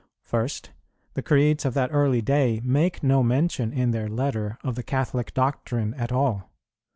First, the Creeds of that early day make no mention in their letter of the Catholic doctrine at all.